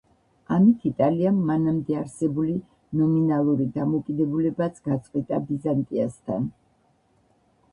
ამით იტალიამ მანამდე არსებული ნომინალური დამოკიდებულებაც გაწყვიტა ბიზანტიასთან.